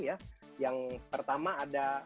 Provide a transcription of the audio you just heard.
yang pertama ada